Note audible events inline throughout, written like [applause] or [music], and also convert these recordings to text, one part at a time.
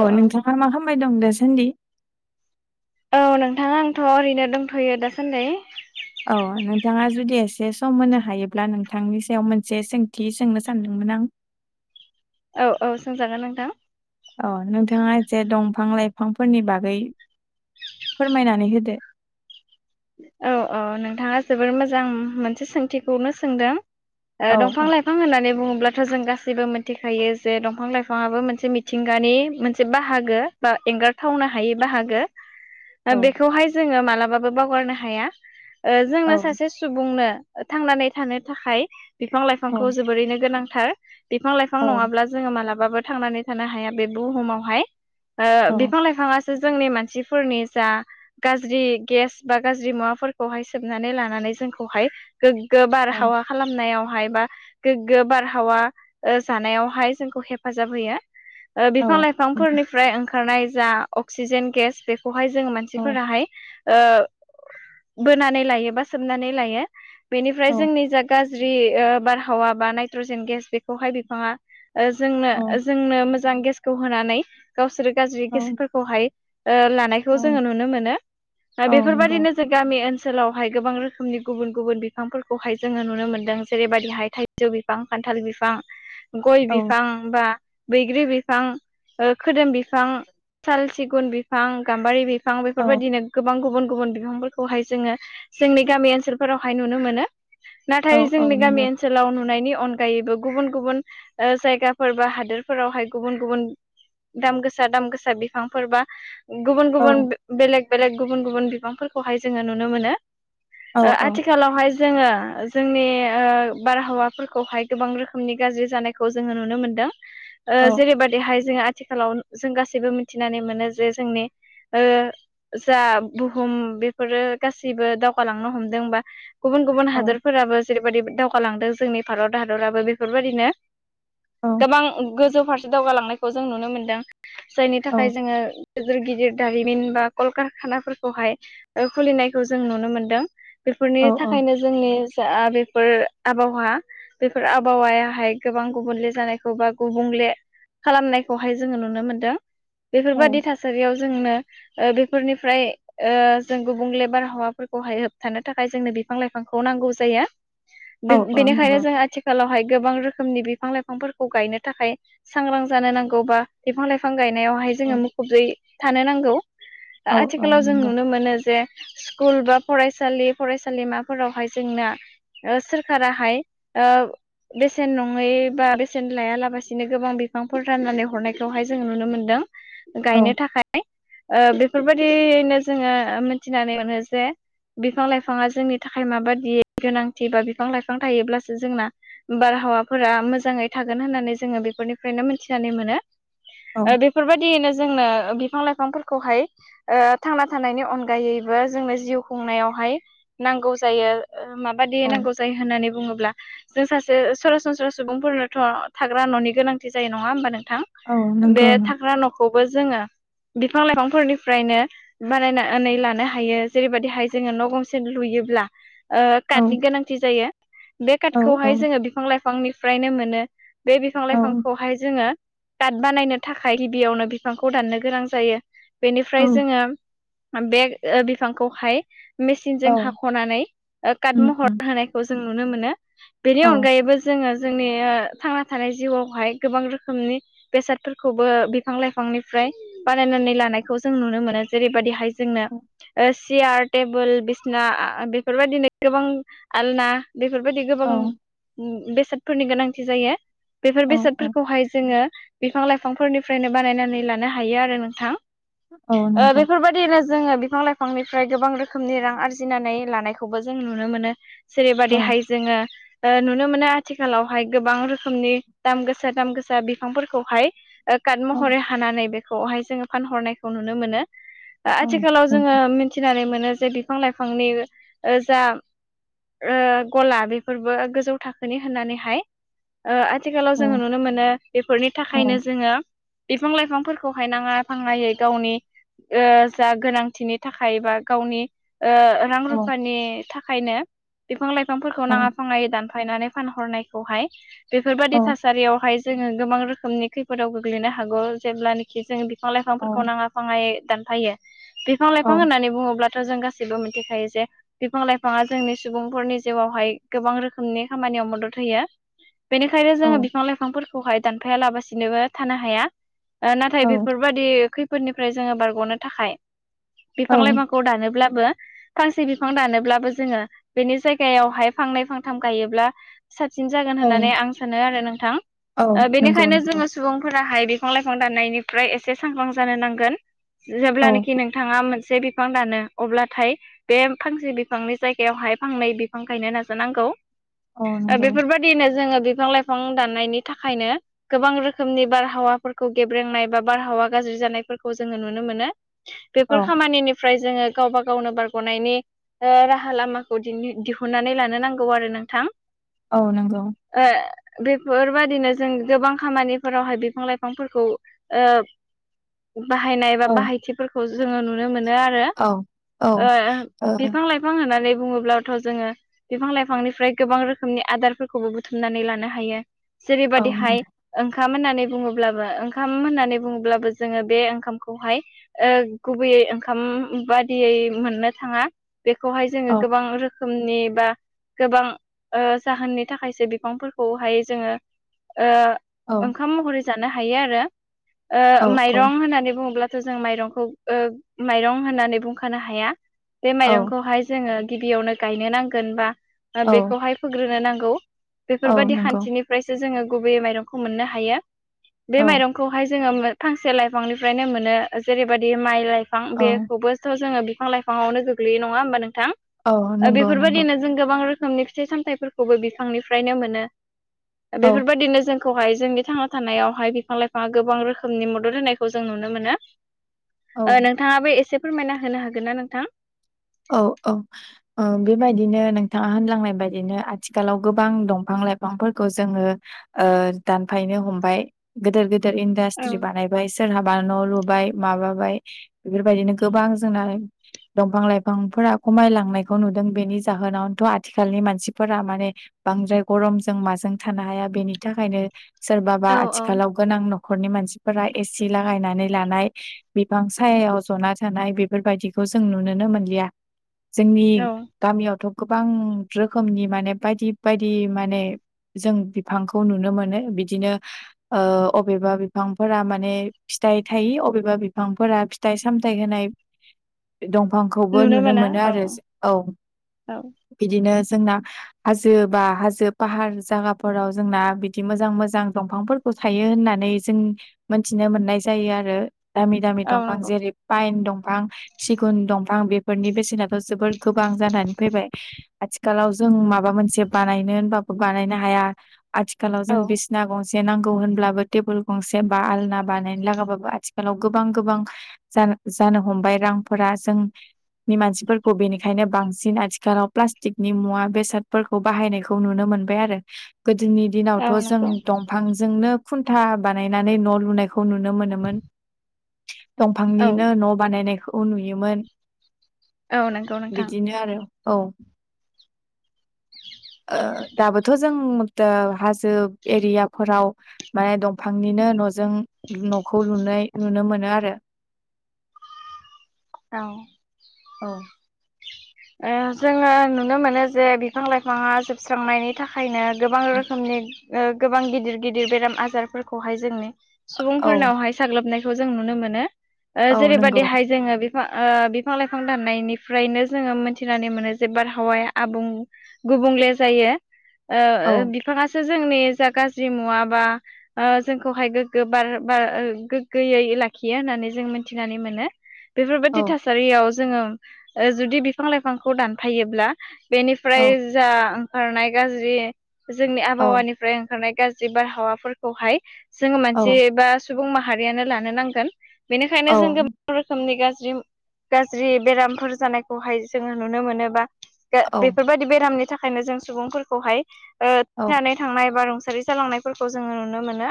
औ नोंथाङा मा खालामबाय दं दासान्दि औ नोंथां आंथ' ओरैनो दंथ'यो दासान्दि औ नोंथाङा जुदि एसे सम होनो हायोब्ला नोंथांनि सायाव मोनसे सोंथि सोंनो सानदोंमोन आं औ औ सोंजागोन नोंथां अ नोंथाङा एसे दंफां लाइफांफोरनि बागै फोरमायनानै होदो औ औ नोंथाङा जोबोर मोजां मोनसे सोंथिखौनो सोंदों औ दंफां लाइ दंफां होननानै बुङोब्लाथ' जों गासैबो मिथिखायो जे दंफां लाइफाङाबो मोनसे मिथिंगानि मोनसे बाहागो। बा एंगारथावनो हायै बाहागो। औ बेखौहाय जोङो मालाबाबो बावगारनो हाया औ जोंनो सासे सुबुंनो थांनानै थानो थाखाय बिफां औ लाइफांखौ जोबोरैनो गोनांथार। बिफां लाइफां औ नङाब्ला जोङो मालाबाबो थांनानै थानो हाया बे बुहुमावहाय। बिफां लाइफाङासो जोंनि मानसिफोरनि जा गाज्रि गेस बा गाज्रि मुवाफोरखौहाय सोबनानै लानानै जोंखौहाय गोग्गो औ बारहावा खालामनायावहाय बा गोग्गो बारहावा जानायावहाय जोंखौ हेफाजाब होयो। औ बिफां नोंथां। लाइफांफोरनिफ्राय ओंखारनाय जा अक्सिजेन गेस बे खौहाय जोङो औ मानसिफोराहाय बोनानै लायो बा सोमनानै लायो बेनिफ्राय औ जोंनि गाज्रि बारहावा बा नाइट्रजेन गेस बेखौहाय बिफाङा जोंनो औ जोंनो मोजां गेसखौ होनानै गावसोर गाज्रि औ गेसफोरखौहाय लानाय औ खौ जोङो नुनो मोनो दा औ बे नंगौ ज गामि ओनसोलावहाय गोबां रोखोमनि गुबुन गुबुन बिफांफोरखौहाय जोङो नुनो मोनदों जेरैबायदिहाय थाइ जौ बिफां खान्थाल बिफां गय औ बिफां बा बैग्रि बिफां खोदोम बिफां साल सिगुन बिफां गाम्बारि बिफां औ बेफोरबायदिनो गोबां गुबुन गुबुन बिफांफोरखौहाय जोङो जोंनि गामि ओनसोलफोरावहाय नुनो मोनो। औ नाथाय औ जोंनि गामि नंगौ ओनसोलाव नुनायनि अनगा अनगायैबो गुबुन गुबुन जायगाफोर बा हादोरफोरावहाय गुबुन गुबुन दाम गोसा दाम गोसा बिफांफोर बा गुबुन औ गुबुन बेलेग बेलेग गुबुन गुबुन बिबांफोरखौहाय जोङो नुनो मोनो। औ औ आथिखालावहाय जोङो जोंनि बारहावाफोरखौहाय गोबां रोखोमनि गाज्रि जानायखौ जोङो नुनो मोनदों। औ जेरैबायदिहाय जोङो आथिखालाव जों गासैबो मिथिनानै मोनो जे जोंनि जा हुम बेफोरो गासिबो दावगालांनो हमदोंबा गुबुन गुबुन औ हादरफोराबो जेरैबायदि दावगालांदों जोंनि भारत हादराबो बेफोरबायदिनो औ गोबां गोजौ फारसे दावगालांनायखौ जों नुनो मोनदों जायनि औ थाखाय जोङो गिदिर गिदिर दारिमिन बा कलकारखानाफोरखौहाय खुलिनायखौ जों नुनो मोनदों। बेफोरनि औ थाखायनो जोंनि जा बेफोर आबहावा बेफोर आबहावायाहाय गोबां गुबुनले जानायखौ बा गुबुंले खालामनायखौहाय जोङो नुनो मोनदों। बेफोरबादि थासारियाव जोंनो बेफोरनिफ्राय जों गुबुं लेबार हावाफोरखौहाय होबथानो थाखाय जोंनो बिफां लाइफांखौ नांगौ जायो। औ बेनिखायनो नंगौ जोंहा आथिखालावहाय गोबां रोखोमनि बिफां लाइफांफोरखौ गायनो थाखाय सांग्रां जानो नांगौबा बिफां लाइफां गायनायावहाय जोङो मुखुबै थानो नांगौ। औ औ। आथिखालाव जों नंगौ नुनो मोनो जे स्कुल बा फरायसालि फरायसालिमाफोरावहाय जोंना ओ सोरखाराहाय ओ बेसेन नङै बा बेसेन लायालाबसिनो गोबां बिफांफोर राननानै हरनाय खौहाय जोङो नुनो मोनदों औ गायनो थाखाय बेफोरबायदि बिनो जोङो मिथिनानै मोनो जे बिफां लाइफाङा जोंनि थाखाय माबायदि गोनांथि बा बिफां लाइफां थायोब्लासो जोंना बारहावाफोरा मोजाङै थागोन होननानै जोङो बेफोरनिफ्रायनो मिथिनानै मोनो। औ बेफोरबायदियैनो जोंनो बिफां लाइफांफोरखौहाय ओ थांना थानायनि अनगायैबो जोंनो जिउ खुंनायावहाय नांगौ जायो। मा बादि औ नांगौ जायो होन्नानै बुङोब्ला जों सासे सरासनस्रा सुबुंफोरनोथ' थाग्रा न'नि गोनांथि जायो नङा होमबा नोंथां औ बे नंगौ नों थाग्रा न'खौबो जोङो बिफां लाइफांफोरनि फ्रायनो बानायनानैै लानो हायो जेरैबायदिहाय जोङो न' गंसे लुयोब्ला काटनि औ गोनांथि जायो बे औ औ काटखौहाय जोङो बिफां लाइफांनिफ्रायनो मोनो बे बिफां औ लाइफांखौहाय जोङो दाद बानायनो थाखाय गिबियावनो बिफांखौ दाननो गोनां जायो औ बेनिफ्राय जोङो बे बिफांखौहाय मेसिनजों औ हाख'नानै काट उम महर उम होनायखौ जों नुनो मोनो बेनि औ अनगायैबो जों जोङो जोंनि थांना थानाय जिउआवहाय गोबां रोखोमनि बेसादफोरखौबो बिफां लाइफांनिफ्राय बानायनानै लानाय जों नुनो मोनो जेरैबायदिहाय जोंनो औ सियार टेबोल बिसना बेफोरबायदिनो गोबां आलना बेफोरबायदि गोबां औ बेसादफोरनि गोनांथि जायो बेफोर औ औ बेसादफोरखौहाय जोङो बिफां लाइफांफोरनिफ्रायनो बानायनानै लानो हायो आरो नोंथां औ ओ नंगौ बेफोरबायदि बिदिनो जोङो बिफां लाइफांनिफ्राय गोबां रोखोमनि रां आरजिनानै लानायखौबो जों नुनो मोनो औ जेरैबादिहाय जोङो ओ नुनो मोनो आथिखालावहाय गोबां रोखोमनि दाम गोसा दाम गोसा बिफांफोरखौहाय काट औ महरै हानानै बेखौहाय जोङो फानहरनायखौ नुनो मोनो औ आथिखालाव जोङो नंगौ मिथिनानै मोनो जे बिफां लाइफांनि जा ओ गला बेफोरबो गोजौ थाखोनि होननानैहाय औ आथिखालाव जोङो नु नो मोनो बेफोरनि औ थाखायनो जोङो बिफां लाइफांफोरखौहाय नाङा फाङायै गावनि जा गोनांथिनि थाखाय बा गावनि रां औ रुफानि थाखायनो बिफां लाइफांफोरखौ औ नाङा फाङायै दानफायनानै फानहरनायखौहाय बेफोरबायदि थासारि सारियावहाय जोङो गोबां रोखोमनि खैफोदाव गोग्लैनो हागौ जेब्लानाखि जोङो बिफां लाइफांफोरखौ नाङा फाङायै दानफायो बिफां औ लाइफां होननानै बुङोब्लाथ' जों गासैबो मिथिखायो जे बिफां लाइफाङा जोंनि सुबुंफोरनि जिउआवहाय गोबां रोखोमनि खामानियाव मदद होयो बेनिखायनो जोङो बिफां लाइफांफोरखौहाय दानफाया लाबासिनोबो थानो हाया ओ नाथाय बेफोरबायदि खैफोदनिफ्राय जोङो बारग'नो थाखाय औ बिफां लाइफांखौ दानोब्लाबो फांसे बिफां दानोब्लाबो जोङो बेनि जायगायावहाय फांनै फांथाम गायोब्ला साबसिन जागोन होननानै आं सानो आरो नोंथां नंगौ बेनिखायनो नंगौ जोङो सुबुंफोराहाय बिफां लाइफां दाननायनिफ्राय एसे सांग्रां जानो नांगोन औ जेब्लानेखि नोंथाङा मोनसे बिफां दानो अब्लाथाय बे फांसे बिफांनि जायगायावहाय फांनै बिफां गायनो नाजानांगौ औ नंगौ बेफोरबायदि बिदिनो जोङो बिफां लाइफां दाननायनि थाखायनो गोबां रोखोमनि बारहावाफोरखौ गेब्रेंनाय बा बारहावा गाज्रि जानायफोरखौ जोङो नुनो मोनो बेफोर औ खामानिनि फ्राय जोङो गावबा गावनो बारग'नायनि ओ राहा लामाखौ दिनि दिहुननानै लानो नांगौ आरो नोंथां औ नंगौ। ओ बेफोरबायदिनो जों गोबां खामानिफोराव हाय बिफां लाइफांफोरखौ ओ बाहायनाय बा औ बाहायथिफोरखौ जोङो नुनो मोनो आर रो औ औ ओ बिफां लाइफां होननानै बुङोब्लाथ' जोङो। बिफां लाइफांनिफ्राय गोबां रोखोमनि आदारफोरखौबो बुथुमनानै लानो हायो। जेरै बायदिहाय ओंखाम होननानै बुङोब्लाबो ओंखाम होननानै बुङोब्लाबो जोङो बे ओंखामखौहाय ओ गुबैयै ओंखाम बादियै मोननो थाङा बेखौहाय जोङो ओ गोबां रो खोमनि बा गोबां ओ जाहोननि थाखायसो बिफांफोरखौहाय जोङो ओ ओंखाम महरै जानो हायो आरो औ ओ माइरं नंगौ होननानै बुङोब्ला सो जों माइरंखौ ओ माइरं होननानै बुंखानो हाया बे औ माइरंखौ हाय जोङो गिबियावनो गायनो नांगोन बा औ बेखौ हाय फोग्रोनो नांगौ। औ बेफोरबायदि नंगौ खान्थिनिफ्रायसो जोङो गुबैयै माइरंखौ मोननो हायो बे औ माइरं खौहाय जोङो फांसे लाइफांनिफ्रायनो मोनो जेरैबायदि माइ लाइफां औ बेखौबो जोङो बिफां लाइफाङावनो गोग्लैयो नङा होमबा नोंथां औ ओ नंगौ नंगौ बेफोरबायदिनो जों गोबां रोखोमनि फि फिथाइ सामथाइफोरखौबो बिफांनिफ्रायनो मोनो औ बेफोरबायदिनो जों खौ हाय जोंनि थांना थानायाव हाय बिफां लाइफाङा गोबां रोखोमनि मदद होनायखौ जों नुनो मोनो। ओ नोंथाङाबो एसे फोरमायना होनो हागोन ना नोंथां? औ औ ओ बेबायदिनो नोंथाङा होनलांनाय बायदिनो आथिखालाव गोबां दंफां लाइफांफोरखौ जोङो ओ दानफायनो हमबाय गिदिर गिदिर औ इन्डास्ट्रि बानायबाय। सोरहाबा न' लुबाय माबाबाय बेफोरबायदिनो गोबां जोंना दंफां लाइ फांफोरा खमायलांनायखौ नुदों बेनि जाहोनावनोथ' आथिखालनि मानसिफोरा माने बांद्राय गरमजों माजों थानो हाया बेनि थाखायनो सोरबाबा औ औ आथिखालाव गोनां न'खरनि मानसिफोरा एसि लागायनानै लानाय। बिफां सायाव जना थानाय बेफोरबायदिखौ जों नुुनो मोनला गैया जोंनि औ गामियावथ' गोबां रोखोमनि माने बायदि बायदि माने जों बिफांखौ नुनो मोनो बिदिनो ओ अबेबा बिफांफोरा माने फिथाइ थायो अबेबा बिफांफोरा फि थाइ सामथाय होनाय दंफां खौबो नुनो मोना मोनो औ आरो जो औ औ बिदिनो जोंना हाजो बा हाजो फाहार जागाफोराव जोंना बिदि मोजां मोजां दंफांफोर थायो होननानै जों मिथिनो मोननाय जायो आरो दामि दामि औ दंफां नंगौ जेरै पाइन दंफां सिगुन दं फां बेफोरनि बेसेनाथ' जोबोर गोबां जानानै फैबाय। आथिखालाव जों माबा मोनसे बानायनो होनबाबो बानायनो हाया आथिखालाव औ जों बिस ना गंसे नांगौ होनब्लाबो टेबोल गंसे बा आलना बानायनो लागाबाबो आथिखालाव गोबां गोबां। जानो जानो हमबाय रांफोरा जों [inaudible] नि मानसिफोरखौ बेनिखायनो बांसिन आथिखालाव प्लास्टिकनि मुवा बेसादफोरखौ बाहायनायखौ खौ नुनो मोनबाय आरो गोदोनि औ दिनावथ' जों नंगौ दंफांजोंनो खुन्था बानायनानै न' लुनाय खौ नुनो मोनोमोन औ दंफांनिनो न' बानायनायखौ नुयोमोन। औ नों बिदिनो आरो औ ओ दाबोथ' जों हाजो एरियाफोराव माने दंफांनिनो न'जों न'खौ लुनाय नुनो मोनो आरो औ औ ओ जोङो नुनो मोनो जे बिफां -लाइफाङा जोबस्रांनायनि थाखायनो गोबां रोखोमनि ओ गोबां गिदिर- गिदिर बेराम आजारफोरखौहाय जोंनो औ सुबुंफोरनावहाय साग्लोबनायखौ जों नुनो मोनो ओ औ नंगौ जेरैबायदिहाय जोङो बे ओ बिफां - लाइफां दाननायनिफ्रायनो जोङो मिथिनानै मोनो जे बारहावाया आबुं गुबुंले जायो। ओ औ बिफाङासो जोंनि जा गाज्रि मुवा बा ओ जोंखौहाय गोग्गो बार बार गोग्गोयै लाखियो होननानै जों मिथिनानै मोनो औ बेफोरबायदि थासारियाव जोङो ओ जुदि बिफां लाइफांखौ दानफायोब्ला औ बेनिफ्राय जा ओंखारनाय गाज्रि जोंनि आबहावानिफ्राय ओंखारनाय गाज्रि बारहावाफोरखौहाय जोङो औ मोनसे बा सुबुं माहारियानो लानो नांगोन बेनिखायनो औ जोंङो गोबां‌ रोखोमनि गाजि गाज्रि बेरामफोर जानायखौहाय जोङो नुनो मोनोबा औ बेफोरबायदि बेरामनि थाखायनो जों सुबुंफोरखौहाय ओ औ थैनानै थांनाय बा रुंसारि जालांनाय फोरखौ जोङो नुनो मोनो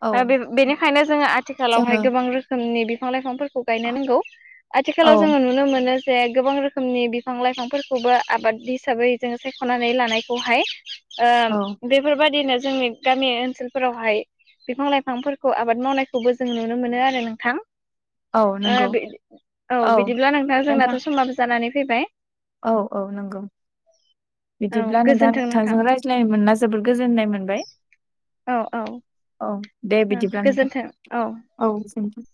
औ बेनिखायनो जोङो जोङो आथिखालावहाय गोबां रोखोम रोखोमनि बिफां - लाइफांफोरखौ गायनो नांगौ आथिखालाव औ जोङो नुनो मोनो जे गोबां रोखोमनि बिफां - लाइफांफोरखौबो आबाद हिसाबै जोङो सायख'नानै लानायखौहाय औ ओ बेफोरबायादिनो जोंनि गामि ओनसोलफोरावहाय बिफां- लाइफांफोरखौ आबाद मावनायखौबो जों नुनो मोनो आरो नोंथां। औ ओ नंगौ औ बिदिब्ला नोंथां। जोंनाथ' समबाबो जानानै फैबाय। औ - औ नंगौ। औ बिदिब्ला नोंथा गोजोन्थों नोंथां नोंथांजों रायज्लायनो मोनला जोबोद गोजोननाय मोनबाय। औ - औ। औ दे बिदिब्ला नोंथां औ सेमथु।